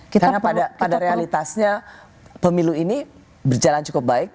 karena pada realitasnya pemilu ini berjalan cukup baik